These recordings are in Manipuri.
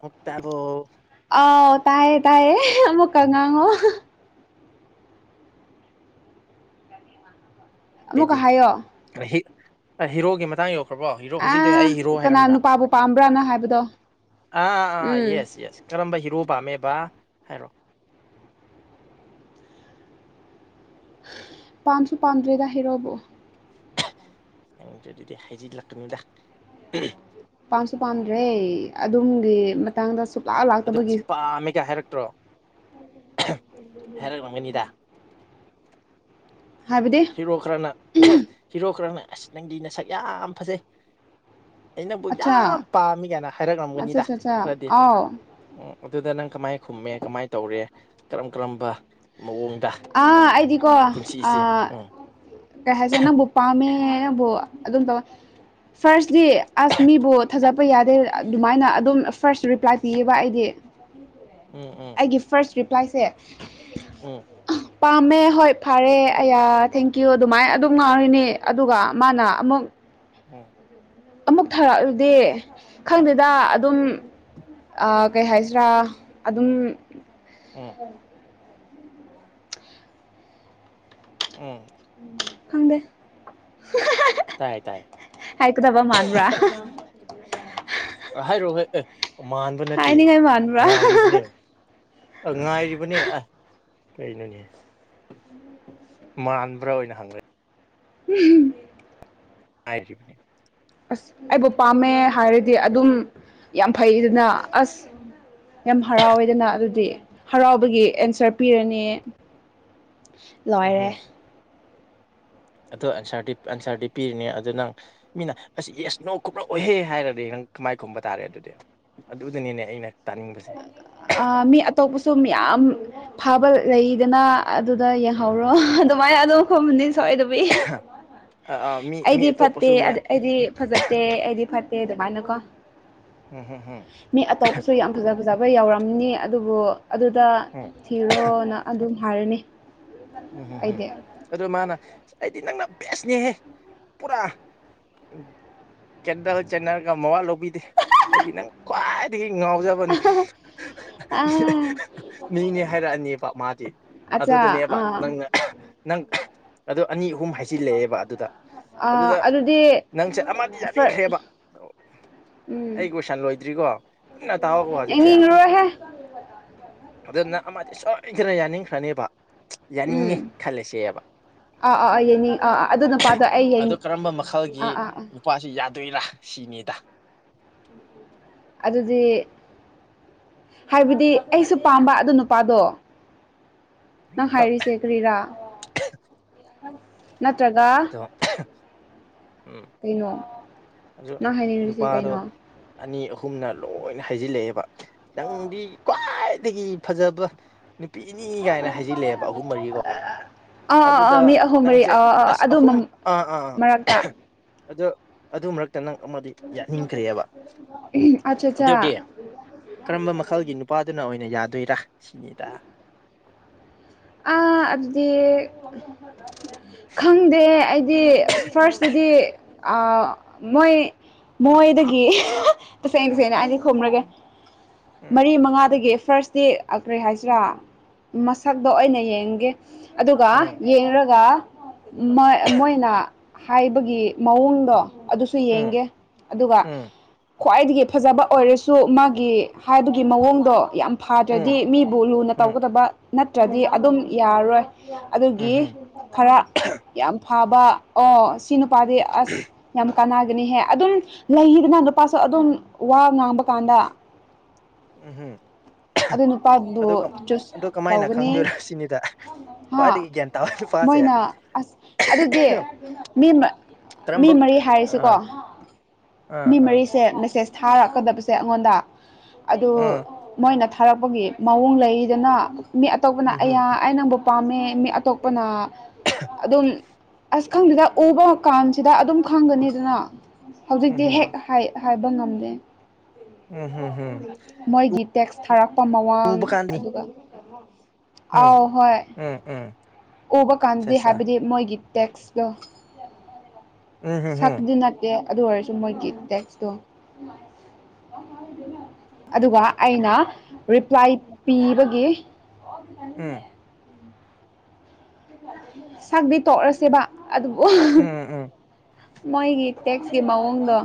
ꯑꯣꯛꯇ ꯑꯕꯣ ꯑꯧ ꯇꯥꯌꯦ ꯇꯥꯌꯦ ꯃꯨꯛꯀꯉꯥꯡꯉꯣ꯫ ꯑꯩꯗꯤ ꯑꯃꯨꯛꯀ ꯍꯥꯏꯌꯣ꯫ ꯍꯤꯔꯣꯒꯤ ꯃꯇꯥꯡ ꯌꯣ ꯈꯕꯣ ꯍꯤꯔꯣ ꯍꯧꯖꯤꯛꯇꯤ ꯑꯥ ꯑꯩ ꯍꯤꯔꯣ ꯀꯅꯥ ꯍꯥꯏꯔꯝꯗ꯭ꯔꯥ ꯅꯨꯄꯥꯕꯨ ꯄꯥꯝꯕ꯭ꯔꯥꯅ ꯍꯥꯏꯕꯗꯣ ꯑꯥ ꯑꯥ ꯑꯥ ꯎꯝ ꯌꯦꯁ ꯌꯦꯁ꯫ ꯀꯔꯝꯕ ꯌꯦꯉꯣ ꯄꯥꯝꯃꯦꯕ ꯍꯥꯏꯔꯣ꯫ ꯄꯥꯝꯁꯨ ꯄꯥꯝꯗ꯭ꯔꯦꯗ ꯍꯦꯔꯣꯕꯨ꯫ ꯑꯗꯨꯗꯤꯍ ꯍꯥꯏꯖꯤ ꯂꯥꯛꯇꯃꯤꯗꯥꯛ ꯄꯥꯝꯁꯨ ꯄꯥꯝꯗ꯭ꯔꯦ ꯑꯗꯨꯝꯒꯤ ꯇꯥꯡꯒ ꯁꯨꯛꯂꯥ ꯑꯗꯨ ꯑꯁ ꯄꯥꯝꯃꯦꯒ ꯍꯥꯏꯔꯛꯇ꯭ꯔꯣ ꯍꯥꯏꯔꯛꯂꯝꯒꯅꯤꯗ ꯍꯥꯏꯕꯗꯤ ꯍꯤꯔꯣ ꯈꯔꯅ ꯍꯤꯔꯣ ꯈꯔꯅ ꯑꯁ ꯅꯪꯒꯤ ꯅꯁꯛ ꯌꯥꯝ ꯐꯖꯩ꯫ ꯑꯩꯅꯕꯨ ꯑꯠꯆꯥ ꯌꯥꯝ ꯄꯥꯝꯃꯤ ꯀꯥꯏꯅ ꯑꯠꯆꯥ ꯍꯥꯏꯔꯛꯂꯝꯒꯅꯤꯗ ꯑꯠꯆꯥ ꯑꯠꯆꯥ ꯈꯔꯗꯤ ꯑꯥꯎ ꯑꯣ ꯑꯗꯨꯗ ꯅꯪ ꯀꯃꯥꯏ ꯈꯨꯝꯃꯦ ꯀꯃꯥꯏꯅ ꯇꯧꯔꯦ ꯀꯔꯝ ꯀꯔꯝꯕ ꯃꯑꯣꯡꯗ ꯑꯥ ꯑꯩꯗꯤꯀꯣ ꯑ ꯄꯨꯟꯁꯤꯁꯦ ꯎꯝ ꯀꯩꯥ ꯍꯥꯥꯏꯁꯦꯅ ꯕꯨꯄꯥꯝ ꯑꯗꯨꯝ ꯇꯧꯌꯦ ꯐꯥꯔꯁꯇꯤ ꯑꯁ ꯃꯤꯕꯨ ꯊꯥꯖꯠꯄ ꯌꯥꯗꯦ ꯑꯗꯨꯃꯥꯏꯅ ꯑꯗꯨꯝ ꯐꯥꯔꯁ ꯔꯤꯄ꯭ꯂꯥꯏ ꯄꯤꯌꯦꯕ ꯑꯩꯗꯤ [inaudible] ꯎꯝ ꯎꯝ ꯑꯩꯒꯤ ꯐꯥꯔꯁ ꯔꯤꯄ꯭ꯂꯥꯏꯁꯦ ꯎꯝ ꯄꯥꯝꯃꯦ ꯍꯣꯏ ꯐꯔꯦ ꯑꯌꯥ ꯊꯦꯡꯀ꯭ꯌꯨ ꯑꯗꯨꯃꯥꯏꯅ ꯑꯗꯨꯝ ꯉꯥꯎꯔꯤꯅꯤ ꯑꯗꯨꯒ ꯃꯥꯅ ꯑꯃꯨꯛ ꯎꯝ ꯑꯃꯨꯛ ꯊꯥꯔꯛꯂꯗꯤ ꯈꯪꯗꯦꯗ ꯑꯗꯨꯝ ꯀꯩ ꯍꯥꯏꯁꯤꯔꯥ ꯑꯗꯨꯝ ꯎꯝ ꯑꯣ ꯍꯪꯗꯦ ꯇꯥꯏ ꯇꯥꯏ ꯍꯥꯏꯀꯗꯕ ꯃꯥꯥꯟꯕ꯭ꯔꯥ ꯍꯥꯏꯔꯛꯑꯣ ꯑꯦ ꯃꯥꯟꯕ ꯅꯠꯇꯦ ꯍꯥꯏꯅꯤꯡꯉꯥꯏ ꯃꯥꯟꯕ꯭ꯔꯥ ꯉꯥꯏꯔꯤꯕꯅꯦ ꯑ ꯉꯥꯏꯔꯤꯕꯅꯦ ꯑꯁ ꯀꯩꯅꯣꯅꯦ ꯃꯥꯟꯕ꯭ꯔꯥ ꯑꯣꯏꯅ ꯍꯪꯕ ꯎꯝ ꯍꯥꯏꯖꯕꯅꯦ ꯑꯁ ꯑꯩꯕꯨ ꯄꯥꯝꯃꯦ ꯍꯥꯏꯔꯗꯤ ꯑꯗꯨꯝ ꯌꯥꯝ ꯐꯩꯗꯅ ꯑꯁ ꯌꯥꯝ ꯍꯔꯥꯎꯋꯦꯗꯅ ꯑꯗꯨꯗꯤ ꯍꯔꯥꯎꯕꯒꯤ ꯑꯦꯟꯁꯔ ꯄꯤꯔꯅꯤ ꯂꯣꯏꯔꯦ ꯑꯗꯨꯗꯤ ꯑꯟꯁꯔꯗꯤ ꯄꯤꯔꯤꯅꯦ ꯑꯗꯨ ꯅꯪ ꯃꯤꯅ ꯑꯁꯤ ꯌꯦꯁ ꯅꯣ ꯀꯨꯞꯂꯛꯑꯣꯍꯦ ꯍꯥꯏꯔꯗꯤ ꯅꯪ ꯀꯃꯥꯏ ꯈꯨꯝꯕ ꯇꯥꯔꯦ ꯑꯗꯨꯗꯤ ꯑꯗꯨꯗꯅꯦ ꯑꯩꯅ ꯉꯥꯏꯍꯥꯛ ꯇꯥꯅꯤꯡꯕꯁꯦ ꯃꯤ ꯑꯇꯣꯞꯄꯁꯨ ꯃꯌꯥꯝ ꯐꯥꯕ ꯂꯩꯗꯅ ꯑꯗꯨꯗ ꯌꯦꯡꯍꯧꯔꯣ ꯑꯗꯨꯃꯥꯏꯅ ꯑꯗꯨꯝ ꯈꯣꯝꯃꯥꯅꯤ ꯁꯣꯏ ꯑꯗꯨꯕꯤ ꯑꯥ ꯑꯥ ꯃꯤ ꯃꯤ ꯑꯩꯗꯤ ꯐꯠꯇꯦ ꯑꯇꯣꯞꯄꯁꯨ ꯃꯌꯥꯝ ꯑꯩꯗꯤ ꯐꯖꯇꯦ ꯑꯩꯗꯤ ꯐꯠꯇꯦ ꯑꯗꯨꯃꯥꯏꯅ ꯀꯣ ꯎꯝ ꯍꯝ ꯃꯤ ꯑꯇꯣꯞꯄꯁꯨ ꯌꯥꯝ ꯐꯖ ꯐꯖꯕ ꯌꯧꯔꯝꯅꯤ ꯑꯗꯨꯕꯨ ꯑꯗꯨꯗ ꯎꯝ ꯊꯤꯔꯣꯅ ꯑꯗꯨꯝ ꯍꯥꯏꯔꯅꯤ ꯎꯝ ꯎꯝ ꯎꯝ ꯑꯩꯗꯤ ꯑꯗꯨ ꯃꯥꯅ ꯑꯩꯗꯤ ꯅꯪꯅ ꯕꯦꯁꯅꯦꯍꯦ ꯄꯨꯔꯥ ꯆꯦꯟꯅꯔ ꯆꯟꯅꯔꯒ ꯃꯋꯥ ꯂꯧꯕꯤꯗꯦ ꯑꯩꯗꯤ ꯅꯪ ꯈ꯭ꯋꯥꯏꯗꯒꯤ ꯉꯥꯎꯖꯕꯅꯤ ꯑ ꯃꯤꯅꯦ ꯍꯥꯏꯔꯛ ꯑꯅꯦꯕ ꯃꯥꯗꯤ ꯑꯠꯆꯥ ꯑꯗꯨꯗꯅꯦꯕ ꯑꯥ ꯅꯪꯅ ꯅꯪ ꯑꯣ ꯑꯅꯤ ꯑꯍꯨꯝ ꯍꯥꯏ ꯁꯤ ꯂꯩꯌꯦꯕ ꯑꯗꯨꯗ ꯑꯥ ꯑꯗꯨꯗ ꯑꯗꯨꯗꯤ ꯅꯪꯁꯦ ꯑꯃꯗꯤ ꯐꯔ ꯌꯥꯅꯤꯡꯈ꯭ꯔꯦꯕ ꯎꯝ ꯑꯩ ꯀꯣꯏꯁꯟ ꯂꯣꯏꯗ꯭ꯔꯤꯀꯣ ꯄꯨꯟꯅ ꯇꯥꯎꯑꯣꯀꯣ ꯍꯧꯖꯤꯛꯁꯦ ꯌꯦꯡꯅꯤꯡꯉꯔꯣꯏꯍꯦ ꯑꯗꯨ ꯅꯪ ꯑꯃꯗꯤ ꯁꯣꯏꯗꯅ ꯌꯥꯅꯤꯡꯈ꯭ꯔꯅꯦꯕ ꯎꯝ ꯌꯥꯅꯤꯡꯉꯦ ꯈꯜꯂꯁꯦꯕ ꯑꯥ ꯑꯥ ꯑꯥ ꯌꯦꯡꯅꯤꯡ ꯑꯥ ꯑꯥ ꯑꯗꯨ ꯅꯨꯄꯥꯗꯣ ꯑꯩ ꯑꯗꯣ ꯀꯔꯝꯕ ꯃꯈꯜꯒꯤ ꯑꯥ ꯑꯥ ꯑꯥ ꯅꯨꯄꯥꯁꯤ ꯌꯥꯗꯣꯏꯔꯥ ꯁꯤꯅꯤꯗ ꯑꯗꯨꯗꯤ ꯍꯥꯏꯕꯗꯤ ꯑꯩꯁꯨ ꯄꯥꯝꯕ ꯑꯗꯨ ꯅꯨꯄꯥꯗꯣ ꯅꯪ ꯍꯥꯏꯔꯤꯁꯦ ꯀ꯭ꯔꯤꯔꯥ ꯅꯠꯇ꯭ꯔꯒ ꯑꯗꯣ ꯎꯝ ꯀꯩꯅꯣ ꯑꯗꯨ ꯅꯪ ꯍꯥꯏꯅꯤꯡꯉꯤꯁꯦ ꯅꯨꯄꯥꯗꯣ ꯀꯩꯅꯣ ꯑꯅꯤ ꯑꯍꯨꯝꯅ ꯂꯣꯏꯅ ꯍꯥꯏꯖꯤꯜꯂꯛꯑꯦꯕ ꯅꯪꯗꯤ ꯈ꯭ꯋꯥꯏꯗꯒꯤ ꯐꯖꯕ ꯅꯨꯄꯤꯅꯤ ꯀꯥꯏꯅ ꯍꯥꯏꯖꯤꯜꯂꯦꯕ ꯑꯍꯨꯝ ꯃꯔꯤꯀꯣ ꯑꯥ ꯑꯥ ꯑꯗꯨꯗ ꯑꯥ ꯃꯤ ꯑꯍꯨꯝ ꯃꯔꯤ ꯅꯪꯁꯦ ꯑꯥ ꯑꯥ ꯑꯁ ꯑꯗꯨ ꯑꯍꯨꯝ ꯑꯥ ꯑꯥ ꯃꯔꯛꯇ ꯑꯗꯣ ꯑꯗꯨ ꯃꯔꯛꯇ ꯅꯪ ꯑꯃꯗꯤ ꯌꯥꯅꯤꯡꯈ꯭ꯔꯦꯕ ꯑꯠꯆꯥ ꯑꯠꯆꯥ ꯑꯗꯨꯗꯤ ꯀꯔꯝꯕ ꯃꯈꯜꯒꯤ ꯅꯨꯄꯥꯗꯨꯅ ꯑꯣꯏꯅ ꯌꯥꯗꯣꯏꯔꯥ ꯁꯤꯅꯤꯗ ꯑ ꯑꯗꯨꯗꯤ ꯈꯪꯗꯦ ꯑꯩꯗꯤ ꯐꯥꯔꯁꯇꯗꯤ ꯑꯥ ꯃꯣꯏ ꯃꯣꯏꯗꯒꯤ ꯇꯁꯦꯡ ꯇꯁꯦꯡꯅ ꯑꯅꯤ ꯈꯨꯝꯔꯒꯦ ꯎꯝ ꯃꯔꯤ ꯃꯉꯥꯗꯒꯤ ꯐꯥꯔꯁꯇꯤ ꯀꯔꯤ ꯍꯥꯏꯁꯤꯔꯥ ꯃꯁꯛꯇꯣ ꯑꯣꯏꯅ ꯌꯦꯡꯒꯦ ꯑꯗꯨꯒ ꯎꯝ ꯌꯦꯡꯔꯒ ꯃꯣꯏꯅ ꯍꯥꯏꯕꯒꯤ ꯃꯑꯣꯡꯗꯣ ꯑꯗꯨꯁꯨ ꯎꯝ ꯌꯦꯡꯒꯦ ꯑꯗꯨꯒ ꯎꯝ ꯈ꯭ꯋꯥꯏꯗꯒꯤ ꯐꯖꯕ ꯑꯣꯏꯔꯁꯨ ꯃꯥꯒꯤ ꯍꯥꯏꯕꯒꯤ ꯃꯑꯣꯡꯗꯣ ꯌꯥꯝ ꯐꯥꯗ꯭ꯔꯗꯤ ꯎꯝ ꯃꯤꯕꯨ ꯂꯨꯅ ꯎꯝ ꯇꯧꯒꯗꯕ ꯅꯠꯇ꯭ꯔꯗꯤ ꯑꯗꯨꯝ ꯌꯥꯔꯔꯣꯏ ꯑꯗꯨꯒꯤ ꯎꯝꯍꯨꯝ ꯈꯔ ꯌꯥꯝ ꯐꯕ ꯑꯣ ꯁꯤ ꯅꯨꯄꯥꯗꯤ ꯑꯁ ꯌꯥꯝ ꯀꯥꯟꯅꯒꯅꯤꯍꯦ ꯑꯗꯨꯝ ꯂꯩꯌꯦꯗꯅ ꯅꯨꯄꯥꯁꯨ ꯑꯗꯨꯝ ꯋꯥ ꯉꯥꯡꯕ ꯀꯥꯟꯗ ꯎꯝ ꯍꯝ ꯑꯗꯨ ꯅꯨꯄꯥꯕꯨ ꯆꯨꯁ ꯑꯗꯨ ꯀꯃꯥꯏꯅ ꯇꯧꯒꯅꯤ ꯈꯪꯗꯣꯏꯔ ꯁꯤꯅꯤꯗ ꯍꯥ ꯈ꯭ꯋꯥꯏꯗꯒꯤ ꯒ꯭ꯌꯥꯟ ꯇꯥꯕ ꯅꯨꯄꯥꯁꯦ ꯃꯣꯏꯅ ꯑꯁ ꯑꯗꯨꯗꯤ ꯃꯤ ꯃꯤ ꯀꯔꯝꯕ ꯃꯔꯤ ꯍꯥꯏꯔꯤꯁꯤꯀꯣ ꯑꯥ ꯑꯥ ꯃꯤ ꯑꯥ ꯃꯔꯤꯁꯦ ꯃꯦꯁꯦꯁ ꯊꯥꯔꯛꯀꯗꯕꯁꯦ ꯑꯩꯉꯣꯟꯗ ꯑꯗꯨ ꯑꯥ ꯃꯣꯏꯅ ꯊꯥꯔꯛꯄꯒꯤ ꯃꯑꯣꯡ ꯂꯩ ꯂꯩꯗꯅ ꯃꯤ ꯑꯇꯣꯞꯄꯅ ꯎꯝꯍꯨꯝ ꯑꯌꯥ ꯑꯩ ꯅꯪꯕꯨ ꯄꯥꯝꯃꯦ ꯃꯤ ꯑꯇꯣꯞꯄꯅ ꯑꯗꯨꯝ ꯑꯁ ꯈꯪꯗꯦꯗ ꯎꯕ ꯀꯥꯟꯁꯤꯗ ꯑꯗꯨꯝ ꯈꯪꯒꯅꯤꯗꯅ ꯍꯧꯖꯤꯛꯇꯤ ꯎꯝꯍꯨꯝ ꯍꯦꯛ ꯍꯥꯏ ꯍꯥꯏꯕ ꯉꯝꯗꯦ ꯎꯝꯍꯨꯝꯍꯨꯝ ꯃꯣꯏꯒꯤ ꯇꯦꯛꯁ ꯊꯥꯔꯛꯄ ꯃꯋꯥꯡ ꯎꯕ ꯀꯥꯟꯅꯤ ꯑꯗꯨꯒ ꯎꯝ ꯑꯥꯎ ꯍꯣꯏ ꯎꯝ ꯎꯝ ꯎꯕ ꯀꯥꯟꯗꯗꯤ ꯁꯦꯁꯥ ꯍꯥꯏꯕꯗꯤ ꯃꯣꯏꯒꯤ ꯇꯦꯛꯁ ꯗꯣ ꯎꯝꯍꯨꯝꯍꯨꯝ ꯁꯛꯗꯤ ꯅꯠ ꯇꯦ ꯑꯗꯨ ꯑꯣꯏꯔꯁꯨ ꯃꯣꯏꯒꯤ ꯇꯦꯛꯁꯇꯣ ꯑꯗꯨꯒ ꯑꯩꯅ ꯔꯤꯄ꯭ꯂꯥꯏ ꯄꯤꯕꯒꯤ ꯎꯝ ꯁꯛꯗꯤ ꯇꯣꯛꯔꯁꯦꯕ ꯑꯗꯨꯕꯨ ꯎꯝ ꯎꯝ ꯃꯣꯏꯒꯤ ꯇꯦꯛꯁꯀꯤ ꯃꯑꯣꯡꯗꯣ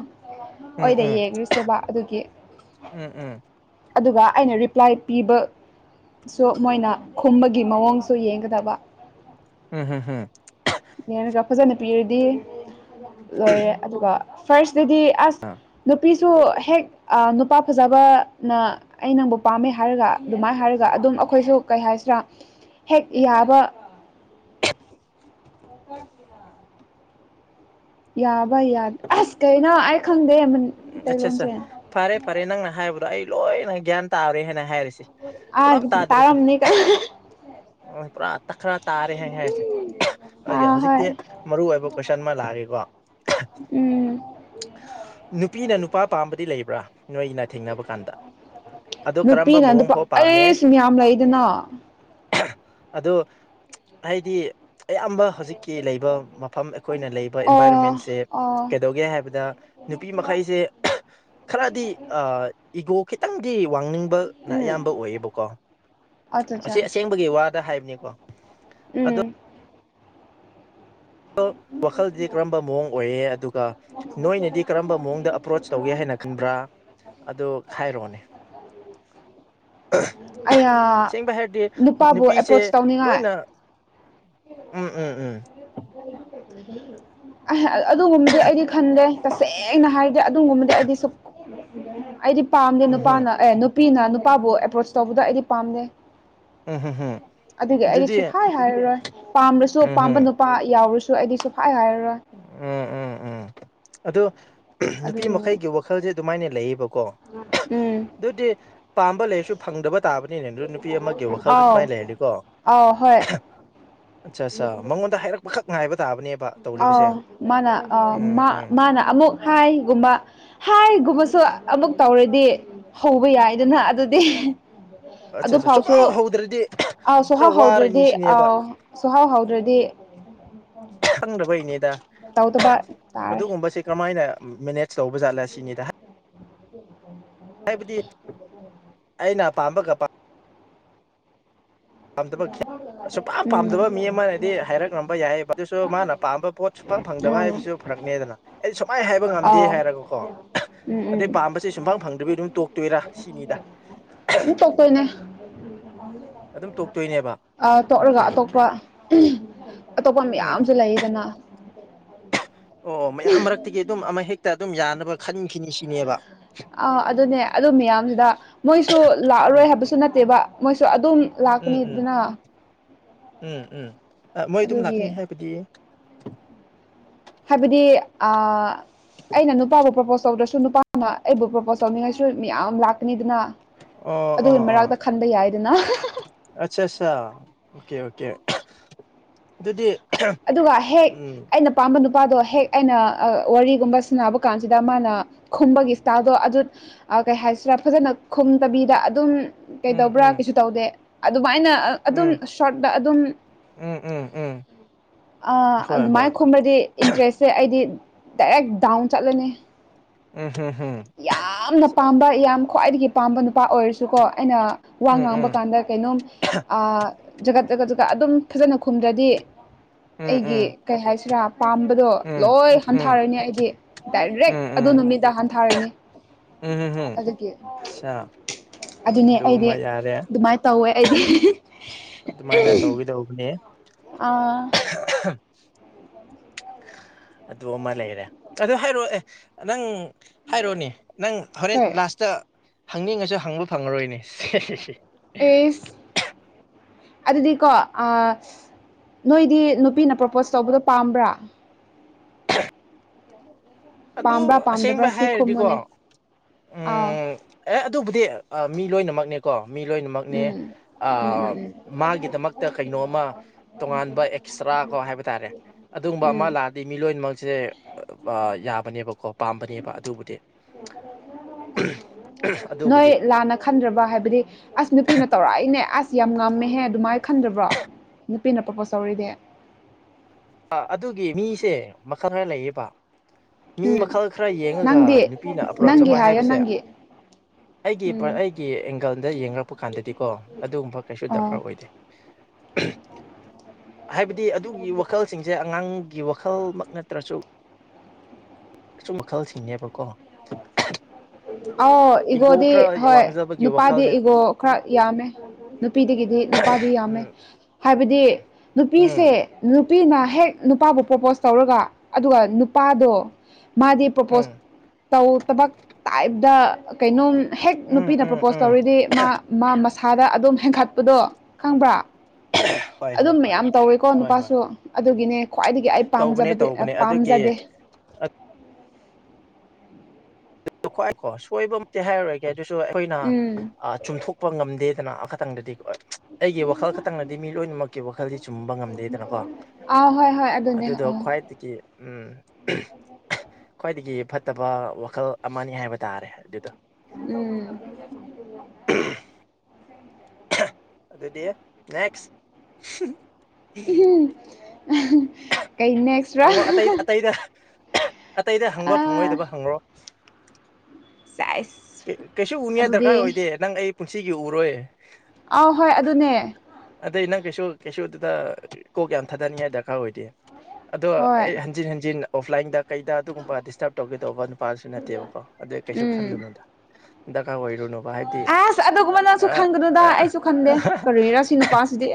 ꯎꯝ ꯑꯣꯏꯗ ꯎꯝ ꯌꯦꯡꯔꯁꯦꯕ ꯑꯗꯨꯒꯤ ꯎꯝ ꯎꯝ ꯑꯗꯨꯒ ꯑꯩꯅ ꯔꯤꯄ꯭ꯂꯥꯏ ꯄꯤꯕꯁꯨ ꯃꯣꯏꯅ ꯈꯨꯝꯕꯒꯤ ꯃꯑꯣꯡꯁꯨ ꯌꯦꯡꯒꯗꯕ ꯎꯝ ꯍꯝ ꯍꯝ ꯌꯦꯔꯒ ꯐꯖꯅ ꯄꯤꯔꯗꯤ ꯂꯣꯏꯔꯦ ꯑꯗꯨꯒ ꯐꯥꯔꯁꯇꯗꯤ ꯑꯁ ꯅꯨꯄꯤꯁꯨ ꯍꯦꯛ ꯅꯨꯄꯥ ꯐꯖꯕꯅ ꯑꯩ ꯅꯪꯕꯨ ꯄꯥꯝꯃꯦ ꯍꯥꯏꯔꯒ ꯑꯗꯨꯃꯥꯏꯅ ꯍꯥꯏꯔꯒ ꯑꯗꯨꯝ ꯑꯈꯣꯏꯁꯨ ꯀꯩ ꯍꯥꯏꯁꯤꯔꯥ ꯍꯦꯛ ꯌꯥꯕ [unintelligible] ꯌꯥꯕ ꯌꯥꯗ ꯑꯁ ꯀꯩꯅꯣ ꯑꯩ ꯈꯪꯗꯦ ꯎꯝ ꯑꯠꯆꯥ ꯑꯠꯆꯥ ꯇꯩꯂꯣꯟꯁꯦ ꯐꯔꯦ ꯐꯔꯦ ꯅꯪꯅ ꯍꯥꯏꯕꯗꯣ ꯑꯩ ꯂꯣꯏꯅ ꯒ꯭ꯌꯥꯟ ꯇꯥꯔꯦ ꯍꯥꯏꯅ ꯍꯥꯏꯔꯁꯤ ꯑꯥꯏ ꯇꯥꯔꯝꯅꯤꯗ ꯑꯣ ꯄꯨꯔꯥ ꯇꯛꯈꯔ ꯇꯥꯔꯦ ꯍꯥꯏ ꯍꯥꯏꯁꯦ ꯑꯣꯀꯦ ꯑꯥ ꯍꯧꯖꯤꯛꯇꯤ ꯍꯣꯏ ꯃꯔꯨ ꯑꯣꯏꯕ ꯀꯣꯏꯁꯟ ꯑꯃ ꯂꯥꯛꯑꯒꯦꯀꯣ ꯎꯝ ꯅꯨꯄꯤꯅ ꯅꯨꯄꯥ ꯄꯥꯝꯕꯗꯤ ꯂꯩꯕ꯭ꯔꯥ ꯅꯣꯏꯅ ꯊꯦꯡꯅꯕ ꯀꯥꯟꯗ ꯑꯗꯣ ꯀꯔꯝꯕ ꯅꯨꯄꯤꯅ ꯅꯨꯄꯥ ꯃꯑꯣꯡꯐꯥꯎ ꯄꯥꯝꯃꯦ ꯑꯩꯁꯨ ꯃꯌꯥꯝ ꯂꯩꯗꯅ ꯑꯗꯣ ꯍꯥꯏꯗꯤ ꯑꯌꯥꯝꯕ ꯍꯧꯖꯤꯛꯀꯤ ꯂꯩꯕ ꯃꯐꯝ ꯑꯩꯈꯣꯏꯅ ꯂꯩꯕ ꯑꯣ ꯑꯦꯟꯚꯥꯏꯔꯣꯟꯃꯦꯟꯁꯦ ꯑꯣ ꯀꯩꯗꯧꯒꯦ ꯍꯥꯏꯕꯗ ꯅꯨꯄꯤ ꯃꯈꯩꯁꯦ ꯈꯔꯗꯤ ꯏꯒꯣ ꯈꯤꯇꯪꯗꯤ ꯋꯥꯡꯅꯤꯡ ꯕꯅ ꯑꯌꯥꯝꯕ ꯎꯝ ꯑꯣꯏꯌꯦꯕꯀꯣ ꯑꯠꯆꯥ ꯑꯁꯤ ꯑꯁꯦꯡꯕꯒꯤ ꯋꯥꯗ ꯍꯥꯏꯕꯅꯤꯀꯣ ꯑꯗꯣ ꯎꯝ ꯋꯥꯈꯜꯗꯗꯤ ꯀꯔꯝꯕ ꯃꯑꯣꯡ ꯑꯣꯏꯌꯦ ꯑꯗꯨꯒ ꯅꯣꯏꯅꯗꯤ ꯀꯔꯝꯕ ꯃꯑꯣꯡꯗ ꯑꯦꯄ꯭ꯔꯣꯆ ꯇꯧꯒꯦ ꯍꯥꯏꯅ ꯈꯟꯕ꯭ꯔꯥ ꯑꯗꯨ ꯍꯥꯏꯔꯣꯅꯦ ꯑꯌꯥ ꯁꯦꯡꯕ ꯍꯥꯏꯔꯗꯤ ꯅꯨꯄꯥꯕꯨ ꯅꯨꯄꯤꯁꯦ ꯑꯦꯄ꯭ꯔꯣꯆ ꯇꯧꯅꯤꯡꯉꯥꯏ ꯂꯣꯏꯅ ꯎꯝ ꯎꯝ ꯎꯝ [unintelligible] ꯑ ꯑꯗꯨꯒꯨꯝꯕꯗꯤ ꯑꯩꯗꯤ ꯈꯟꯗꯦ ꯇꯁꯦꯡꯅ ꯍꯥꯏꯗꯤ ꯑꯗꯨꯒꯨꯝꯕꯗꯤ ꯑꯩꯗꯤ ꯁꯨꯛ ꯑꯩꯗꯤ ꯄꯥꯝꯗꯦ ꯎꯝ ꯍꯝ ꯅꯨꯄꯥꯅ ꯑꯦ ꯅꯨꯄꯤꯅ ꯅꯨꯄꯥꯕꯨ ꯑꯦꯄ꯭ꯔꯣꯆ ꯇꯧꯕꯗꯣ ꯑꯩꯗꯤ ꯄꯥꯝꯗꯦ ꯎꯝ ꯍꯝ ꯍꯝ ꯑꯗꯨꯒꯤ ꯑꯩꯗꯤ ꯑꯗꯨꯗꯤ ꯁꯨꯛꯍꯥꯏ ꯍꯥꯏꯔꯔꯣꯏ ꯄꯥꯝ꯭ꯔꯁꯨ ꯎꯝ ꯄꯥꯝꯕ ꯍꯝ ꯅꯨ ꯄꯥ ꯌꯥꯎꯔꯁꯨ ꯑꯩꯗꯤ ꯁꯨꯐꯥꯏ ꯍꯥꯏꯔꯔꯣꯏ ꯎꯝ ꯎꯝ ꯎꯝ ꯑꯗꯣ ꯅꯨꯄꯤ ꯑꯗꯨꯒꯤꯅꯤ ꯃꯈꯩꯒꯤ ꯋꯥꯈꯜꯁꯦ ꯑꯗꯨꯃꯥꯏꯅ ꯂꯩꯌꯦꯕꯀꯣ ꯎꯝ ꯑꯗꯨꯗꯤ ꯄꯥꯝꯕ ꯂꯩꯔꯁꯨ ꯐꯪꯗꯕ ꯇꯥꯕꯅꯤꯅꯦ ꯑꯗꯨ ꯅꯨꯄꯤ ꯑꯃꯒꯤ ꯋꯥꯈꯜꯗ ꯑꯗꯨꯃꯥꯏꯅ ꯂꯩꯔꯗꯤꯀꯣ ꯑ ꯍꯣꯏ ꯑꯠꯆꯥ ꯑꯠꯆꯥ ꯃꯉꯣꯟꯗ ꯍꯥꯏꯔꯛꯄꯈꯛ ꯉꯥꯏꯕ ꯇꯥꯕꯅꯦꯕ ꯑ ꯇꯧꯔꯤꯕꯁꯦ ꯃꯥꯅ ꯑ ꯎꯝ ꯃꯥ ꯎꯝ ꯃꯥꯅ ꯑꯃꯨꯛ ꯍꯥꯏꯒꯨꯝꯕ ꯍꯥꯏꯒꯨꯝꯕꯁꯨ ꯑꯃꯨꯛ ꯇꯧꯔꯗꯤ ꯍꯧꯕ ꯌꯥꯏꯗꯅ ꯑꯗꯨꯗꯤ ꯑꯠꯆꯥ ꯑꯠꯆꯥ ꯑꯗꯨꯐꯥꯎꯁꯨ ꯁꯨꯡꯍꯧ ꯍꯧꯗ꯭ꯔꯗꯤ ꯑ ꯈꯔ ꯁꯨꯍꯧ ꯋꯥꯔꯅꯤ ꯍꯧꯗ꯭ꯔꯗꯤ ꯁꯤꯅꯦꯕ ꯑꯧ ꯁꯨꯍꯧ ꯍꯥꯎꯗ꯭ꯔꯗꯤ ꯈꯪꯗꯕꯩꯅꯤꯗ ꯇꯧꯗꯕꯥ ꯇꯥꯔꯦ ꯑꯗꯨꯒꯨꯝꯕꯁꯦ ꯀꯔꯝꯍꯥꯏꯅ ꯃꯦꯅꯦꯖ ꯇꯧꯕꯖꯥꯠꯂ ꯁꯤꯅꯤꯗ ꯍꯥꯏꯕꯗꯤ ꯑꯩꯅ ꯄꯥꯝꯕꯒ [unintelligible] ꯁꯨꯄꯥꯝ ꯎꯝ ꯄꯥꯝꯗꯕ ꯃꯤ ꯑꯃꯅꯗꯤ ꯍꯥꯏꯔꯛꯂꯝꯕ ꯌꯥꯏꯌꯦꯕ ꯑꯗꯨꯁꯨ ꯃꯥꯅ ꯄꯥꯝꯕ ꯄꯣꯠ ꯁꯨꯡꯐꯥꯡ ꯐꯪꯗꯕ ꯎꯝ ꯍꯥꯏꯕꯁꯤꯁꯨ ꯐꯔꯛꯅꯦꯗꯅ ꯑꯩꯗꯤ ꯁꯨꯃꯥꯏꯅ ꯍꯥꯏꯕ ꯉꯝꯗꯦ ꯑꯥꯎ ꯍꯥꯏꯔꯒꯀꯣ ꯎꯝ ꯎꯝ ꯑꯗꯩ ꯄꯥꯝꯕꯁꯦ ꯁꯨꯡꯐꯪ ꯐꯪꯗꯕꯤ ꯑꯗꯨꯝ ꯇꯣꯛꯇꯣꯏꯔꯥ ꯁꯤꯅꯤꯗ ꯎꯝ ꯇꯣꯛꯇꯣꯏꯅꯦ ꯑꯗꯨꯝ ꯇꯣꯛꯇꯣꯏꯅꯦꯕ ꯇꯣꯛꯔꯒ ꯑꯣꯀꯦ ꯑꯣꯀꯦ ꯑꯇꯣꯞꯄ ꯑꯇꯣꯞꯄ ꯎꯝ ꯃꯌꯥꯝꯁꯨ ꯂꯩꯗꯅ ꯑꯣ ꯃꯌꯥꯝ ꯃꯔꯛꯇꯒꯤ ꯑꯗꯨꯝ ꯑꯃ ꯍꯦꯛꯇ ꯑꯗꯨꯝ ꯌꯥꯅꯕ ꯈꯟꯈꯤꯅꯤ ꯁꯤꯅꯤ ꯑꯥ ꯑꯗꯨꯅꯦ ꯑꯗꯨ ꯃꯌꯥꯝꯗꯨꯗ ꯃꯣꯏꯁꯨ ꯎꯝ ꯂꯥꯛꯑꯔꯣꯏ ꯍꯥꯏꯕꯁꯨ ꯅꯠ ꯇꯦꯕ ꯃꯣꯏꯁꯨ ꯑꯗꯨꯝ ꯎꯝ ꯂꯥꯛꯀꯅꯤꯗꯅ ꯎꯝ ꯎꯝ ꯎꯝ ꯃꯣꯏ ꯑꯗꯨꯝ ꯂꯥꯛꯀꯅꯤ ꯑꯗꯨꯒꯤ ꯍꯥꯏꯕꯗꯤ ꯍꯥꯏꯕꯗꯤ ꯑ ꯑꯩꯅ ꯅꯨꯄꯥꯕꯨ ꯄ꯭ꯔꯄꯣꯁ ꯇꯧꯗ꯭ꯔꯁꯨ ꯅꯨꯄꯥ ꯅ ꯑꯩꯕꯨ ꯄ꯭ꯔꯣꯄꯣꯖ ꯇꯧꯅꯤꯉꯥꯏꯁꯨ ꯃꯌꯥꯝ ꯂꯥꯛꯀꯅꯤꯗꯅ ꯑꯣ ꯑꯗꯨꯏ ꯃꯔꯛꯇ ꯈꯟꯕ ꯌꯥꯏꯗꯅ ꯑꯆꯥ ꯑꯆꯥ ꯆꯥ ꯑꯣꯀꯦ ꯑꯣꯀꯦ ꯑꯗꯨꯗꯤ ꯑꯗꯨꯒ ꯍꯦꯛ ꯎꯝ ꯑꯩꯅ ꯄꯥꯝꯕ ꯅꯨꯄꯥꯗꯣ ꯍꯦꯛ ꯑꯩꯅ ꯋꯥꯔꯤꯒꯨꯝꯕ ꯁꯟꯅꯕ ꯀꯥꯟꯁꯤꯗ ꯃꯥꯅ ꯈꯨꯝꯕꯒꯤ ꯏꯁꯇꯥꯏꯜꯗꯣ ꯑꯗꯨ ꯀꯩ ꯍꯥꯏꯁꯤꯔꯥ ꯐꯖꯅ ꯈꯨꯝꯗꯕꯤꯗ ꯑꯗꯨꯝ ꯎꯝ ꯀꯩꯗꯧꯕ꯭ꯔꯥ ꯎꯝ ꯀꯩꯁꯨꯇꯧꯗꯦ ꯑꯗꯨꯃꯥꯏꯅ ꯑꯗꯨꯝ ꯎꯝ ꯁꯣꯔꯠꯇ ꯑꯗꯨꯝ ꯎꯝ ꯎꯝ ꯎꯝ ꯍꯣꯏ ꯍꯣꯏ ꯑꯗꯨꯃꯥꯏꯅ ꯈꯨꯝꯔꯗꯤ ꯏꯟꯇꯔꯦꯁꯁꯦ ꯑꯩꯗꯤ ꯗꯥꯏꯔꯦꯛ ꯗꯥꯎꯟ ꯆꯠꯂꯅꯤ ꯎꯝ ꯎꯝ ꯎꯝ ꯌꯥꯝꯅ ꯄꯥꯝꯕ ꯌꯥꯝ ꯈ꯭ꯋꯥꯏꯗꯒꯤ ꯄꯥꯝꯕ ꯅꯨꯄꯥ ꯑꯣꯏꯔꯁꯨꯀꯣ ꯑꯩꯅ ꯋꯥ ꯎꯝ ꯉꯥꯡꯕ ꯎꯝ ꯀꯥꯟꯗ ꯀꯩꯅꯣꯝ ꯖꯒꯠ ꯖꯒꯠ ꯖꯒꯥꯠ ꯑꯗꯨꯝ ꯐꯖꯅ ꯈꯨꯝꯗ꯭ꯔꯗꯤ ꯎꯝ ꯑꯩꯒꯤ ꯎꯝ ꯀꯩ ꯍꯥꯏꯁꯤꯔꯥ ꯄꯥꯝꯕꯗꯣ ꯎꯝ ꯂꯣꯏ ꯎꯝ ꯍꯟꯊꯔꯅꯤ ꯑꯩꯗꯤ ꯎꯝ ꯗꯥꯏꯔꯦꯛ ꯑꯗꯨ ꯎꯝ ꯎꯝ ꯅꯨꯃꯤꯠꯇ ꯍꯟꯊꯔꯅꯤ ꯍꯝ ꯍꯝ ꯑꯗꯨꯒꯤ ꯑꯠꯁꯥ ꯑꯗꯨꯅꯦ ꯑꯗꯨ ꯑꯩꯗꯤ ꯑꯃ ꯌꯥꯔꯦ ꯑꯗꯨꯃꯥꯏꯅ ꯇꯧꯋꯦ ꯑꯩꯗꯤ ꯑꯗꯨꯃꯥꯏꯅ ꯇꯧꯒ ꯇꯧꯕꯅꯦ ꯑꯥ ꯑꯗꯨ ꯑꯃ ꯂꯩꯔꯦ ꯑꯗꯨ ꯍꯥꯏꯔꯛꯑꯣ ꯑꯦ ꯅꯪ ꯍꯥꯏꯔꯛꯣꯅꯦ ꯅꯪ ꯍꯣꯔꯦꯟ ꯀꯩ ꯂꯥꯁꯇ ꯍꯪꯅꯤꯡꯉꯁꯨ ꯍꯪꯕ ꯐꯪꯉꯔꯣꯏꯅꯦ ꯑꯦꯁ ꯑꯗꯨꯗꯤꯀꯣ ꯑ ꯅꯣꯏꯗꯤ ꯅꯨꯄꯤꯅ ꯄ꯭ꯔꯣꯄꯣꯁ ꯇꯧꯕꯗꯣ ꯄꯥꯝꯕ꯭ꯔꯥ ꯑꯗꯨ ꯄꯥꯝꯕ꯭ꯔꯥ ꯑꯁꯦꯡꯕ ꯄꯥꯝꯗꯕ꯭ꯔꯥ ꯁꯤ ꯍꯥꯏꯔꯗꯤꯀꯣ ꯈꯨꯝꯃꯨꯅꯦ ꯎ ꯑꯥꯎ ꯑꯦ ꯑꯗꯨꯕꯨꯗꯤ ꯃꯤ ꯂꯣꯏꯅꯃꯛꯅꯦꯀꯣ ꯃꯤ ꯂꯣꯏꯅꯃꯛꯅꯦ ꯎꯝ ꯑ ꯎꯝ ꯎꯝ ꯎꯝ ꯃꯥꯒꯤꯗꯃꯛꯇ ꯀꯩꯅꯣꯝꯃ ꯇꯣꯉꯥꯟꯕ ꯑꯦꯛꯁꯇ꯭ꯔꯥꯒꯣ ꯍꯥꯏꯕ ꯇꯥꯔꯦ ꯑꯗꯨꯒꯨꯝꯕ ꯑꯃ ꯎꯝ ꯂꯥꯛꯑꯗꯤ ꯃꯤꯂꯣꯏꯃꯛꯁꯦ ꯕꯀꯣ ꯄꯥꯝꯕꯅꯦꯕ ꯑꯗꯨꯕꯨꯗꯤ ꯑꯗꯨꯕꯨꯗꯤ ꯅꯣꯏ ꯂꯥꯟꯅ ꯈꯟꯗ꯭ꯔꯕ ꯍꯥꯏꯕꯗꯤ ꯑꯁ ꯅꯨꯄꯤꯅ ꯇꯧꯔꯛꯏꯅꯦ ꯑꯁ ꯌꯥꯝ ꯉꯝꯃꯦꯍꯦ ꯑꯗꯨꯃꯥꯏꯅ ꯈꯟꯗꯕ꯭ꯔꯣ ꯅꯨꯄꯤꯅ ꯄꯄꯣꯁ ꯇꯧꯔꯛꯔꯤꯗꯤ ꯑ ꯑꯗꯨꯒꯤ ꯃꯤꯁꯦ ꯃꯈꯜ ꯈꯔ ꯂꯩꯌꯦꯕ ꯃꯤ ꯎꯝ ꯃꯈꯜ ꯈꯔ ꯌꯦꯡꯉꯒ ꯅꯪꯗꯤ ꯅꯨꯄꯤꯅ ꯑꯄ꯭ꯔꯣꯆ ꯅꯪꯒꯤ ꯇꯧꯕ ꯍꯥꯏꯌꯣ ꯍꯥꯏꯕꯁꯦ ꯅꯪꯒꯤ ꯑꯩꯒꯤ ꯎꯝ ꯑꯩꯒꯤ ꯑꯦꯡꯒꯜꯗ ꯌꯦꯡꯂꯡꯛꯄ ꯀꯥꯟꯗꯗꯤꯀꯣ ꯑꯗꯨꯒꯨꯝꯕ ꯀꯩꯁꯨ ꯑꯣ ꯗꯔꯀꯥꯔ ꯑꯣꯏꯗꯦ [unintelligible] ꯍꯥꯏꯕꯗꯤ ꯑꯗꯨꯒꯤ ꯋꯥꯈꯜꯁꯤꯡꯁꯦ ꯑꯉꯥꯡꯒꯤ ꯋꯥꯈꯜꯃꯛ ꯅꯠꯇ꯭ꯔꯁꯨ ꯁꯨꯝ ꯃꯈꯜꯁꯤꯡꯅꯦꯕꯀꯣ ꯑꯥꯎ ꯏꯒꯣꯗꯤ ꯍꯣꯏ ꯋꯥꯡꯖꯕꯒꯤ ꯅꯨꯄꯥꯗꯤ ꯋꯥꯈꯜꯅꯦ ꯏꯒꯣ ꯈꯔ ꯌꯥꯝꯃꯦ ꯅꯨꯄꯤꯗꯒꯤꯗꯤ ꯅꯨꯄꯥꯗꯤ ꯌꯥꯝꯃꯦ ꯎꯝ ꯍꯥꯏꯕꯗꯤ ꯅꯨꯄꯤꯁꯦ ꯎꯝ ꯅꯨꯄꯤꯅ ꯍꯦꯛ ꯅꯨꯄꯥꯕꯨ ꯄ꯭ꯔꯣꯄꯣꯁ ꯇꯧꯔꯒ ꯑꯗꯨꯒ ꯅꯨꯄꯥꯗꯣ ꯃꯥꯗꯤ ꯎꯝ ꯄ꯭ꯔꯣꯄꯣꯁ ꯇꯧ ꯇꯕ ꯇꯥꯏꯞꯇ ꯀꯩꯅꯣꯝ ꯍꯦꯛ ꯎꯝ ꯅꯨꯄꯤꯅ ꯎꯝ ꯄ꯭ꯔꯣꯄꯣꯁ ꯎꯝ ꯇꯧꯔꯤꯗꯤ ꯃꯥ ꯃꯥ ꯃꯁꯥꯗ ꯑꯗꯨꯝ ꯍꯦꯟꯒꯠꯄꯗꯣ ꯈꯪꯕ꯭ꯔ ꯍꯣꯏ ꯍꯣꯏ ꯑꯗꯨꯝ ꯍꯣꯏ ꯃꯌꯥꯝ ꯇꯧꯋꯦꯀꯣ ꯍꯣꯏ ꯍꯣꯏ ꯅꯨꯄꯥꯁꯨ ꯑꯗꯨꯒꯤꯅꯦ ꯈ꯭ꯋꯥꯏꯗꯒꯤ ꯑꯩ ꯇꯧꯕꯅꯦ ꯄꯥꯝꯖꯕꯗꯤ ꯇꯧꯕꯅꯦ ꯑꯗꯨꯒꯤ ꯄꯥꯝꯖꯗꯦ ꯈꯏꯣ ꯁꯣꯏꯕ ꯑꯝꯇꯤ ꯍꯥꯏꯔꯔꯒꯦ ꯑꯗꯨꯁꯨ ꯑꯩꯈꯣꯏꯅ ꯎꯝ ꯆꯨꯝꯊꯣꯛ ꯀꯞꯄ ꯉꯝꯗꯦꯗꯅ ꯑꯃ ꯈꯛꯇꯪꯗꯗꯤ ꯑꯩꯒꯤ ꯋꯥꯈꯜ ꯈꯛꯇꯪꯅꯗꯤ ꯃꯤ ꯂꯣꯏꯅꯃꯛꯀꯤ ꯋꯥꯈꯜꯗꯤ ꯆꯨꯝꯕ ꯉꯝꯗꯦꯗꯅꯀꯣ ꯑꯥ ꯍꯣꯏ ꯍꯣꯏ ꯑꯗꯨꯅꯦ ꯑꯗꯨꯗꯣ ꯑꯥ ꯈ꯭ꯋꯥꯏꯗꯒꯤ ꯎꯝ ꯈ꯭ꯋꯥꯏꯗꯒꯤ ꯐꯠꯇꯕ ꯋꯥꯈꯜ ꯑꯃꯅꯤ ꯍꯥꯏꯕ ꯇꯥꯔꯦ ꯑꯗꯨꯗꯣ ꯎꯝ ꯑꯗꯨꯗꯤ ꯅꯦꯛꯁ ꯎꯝ ꯀꯩ ꯅ ꯍꯪꯉꯣ ꯑꯇꯩ ꯑꯇꯩꯗ ꯑꯇꯩꯗ ꯑ ꯍꯪꯕ ꯐꯪꯪꯂꯣꯏꯗꯕ ꯍꯪꯉꯣ ꯁꯥꯏꯁ ꯀꯩꯁꯨ ꯎꯅꯤꯉꯥꯏ ꯑꯗꯨꯗꯤ ꯗꯔꯀꯥꯔ ꯑꯣꯏꯗꯦ ꯅꯪ ꯑꯩ ꯄꯨꯟꯁꯤꯒꯤ ꯎꯔꯣꯏ ꯑꯥꯎ ꯍꯣꯏ ꯑꯗꯨꯅꯦ ꯑꯗꯩ ꯅꯪ ꯀꯩꯁꯨ ꯀꯩꯁꯨ ꯑꯗꯨꯗ ꯀꯣꯛ ꯌꯥꯝ ꯊꯥꯗꯅꯤꯡꯉꯥꯏ ꯗꯔꯀꯥꯔ ꯑꯣꯏꯗꯦ ꯑꯗꯣ ꯍꯣꯏ ꯑꯩ ꯍꯟꯖꯤꯟ ꯍꯟꯖꯤꯟ ꯑꯣꯐꯂꯥꯏꯟꯗ ꯀꯩꯗ ꯑꯗꯨꯒꯨꯝꯕ ꯗꯤꯁꯇꯔꯕ ꯇꯧꯒꯦ ꯇꯧꯕ ꯅꯨꯄꯥꯗꯨꯁꯨ ꯅꯠꯇꯦꯕꯀꯣ ꯑꯗꯨ ꯀꯩꯁꯨ ꯎꯝ ꯈꯜꯂꯨꯅꯨꯗ ꯗ ꯀꯥ ꯑꯣꯏꯔꯨꯅꯣ ꯍꯥꯏꯗꯤ ꯑꯁ ꯑꯗꯨꯒꯨꯝꯕ ꯅꯪꯁꯨ ꯈꯟꯒꯅꯨꯗ ꯑꯩꯁꯨ ꯈꯟꯗꯦ ꯀꯔꯤꯔꯥ ꯁꯤ ꯅꯨꯄꯥꯁꯤꯗꯤ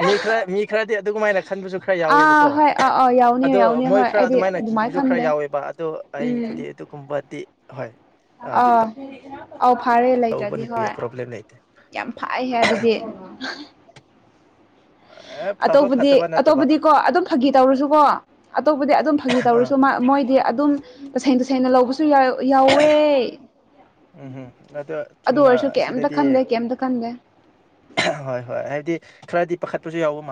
ꯈꯔꯗꯤ ꯑꯗꯨꯃꯥꯏꯅ ꯈꯟꯕꯁꯨ ꯈꯔ ꯌꯥꯎꯋꯤ ꯑ ꯍꯣꯏ ꯑ ꯑꯣ ꯌꯥꯎ ꯑꯗꯣ ꯃꯣꯏ ꯈꯔ ꯑꯗꯨꯃꯥꯏꯅ ꯀꯤꯕꯁꯨ ꯈꯔ ꯌꯥꯎꯋꯦꯕ ꯑꯗꯣ ꯑꯩꯕꯨꯗꯤ ꯎꯝ ꯑꯗꯨꯒꯨꯝꯕꯗꯤ ꯍꯣꯏ ꯑ, ꯑꯥ ꯑꯥꯎ ꯐꯔꯦ ꯇꯧꯕ ꯂꯩꯇ꯭ꯔꯗꯤ ꯍꯣꯏ ꯅꯨꯄꯤ ꯄ꯭ꯔꯣꯕ꯭ꯂꯦꯝ ꯂꯩꯇꯦ ꯌꯥꯝ ꯐꯩꯍꯦ ꯑꯗꯨꯗꯤ ꯑ, ꯐꯕ ꯑꯇꯣꯞꯄꯗꯤ ꯐꯠꯇꯕ ꯅꯠꯇꯕ ꯑꯇꯣꯞꯄꯗꯤꯀꯣ ꯑꯗꯨꯝ ꯐꯥꯒꯤ ꯇꯧꯔꯁꯨꯀꯣ ꯑꯇꯣꯞꯄꯗꯤ ꯑꯗꯨꯝ ꯐꯥꯒꯤ ꯑ ꯇꯧꯔꯁꯨ ꯃꯣꯏꯗꯤ ꯑꯗꯨꯝ ꯇꯁꯦꯡ ꯇꯁꯦꯡꯅ ꯂꯧꯕꯁꯨ ꯌꯥꯎ ꯌꯥꯎꯋꯦ ꯎꯝ ꯑꯗꯣ ꯑꯗꯨ ꯑꯣꯏꯔꯁꯨ ꯆꯨꯝꯅ ꯀꯩꯝꯇ ꯑꯁꯤꯗꯗꯤ ꯈꯟꯗꯦ ꯀꯦꯝꯗ ꯈꯟꯗꯦ ꯍꯣꯏ ꯍꯣꯏ ꯍꯥꯏꯕꯗꯤ ꯈꯔꯗꯤ ꯄꯥꯈꯠꯄꯁꯨ ꯌꯥꯎꯕ ꯃꯥꯜꯂꯦ